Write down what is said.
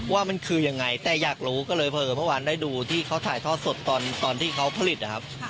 ว่ามันคือยังไงแต่อยากรู้ก็เลยเผลอเมื่อวานได้ดูที่เขาถ่ายทอดสดตอนที่เขาผลิตนะครับ